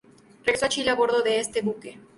Regresó a Chile a bordo de este buque.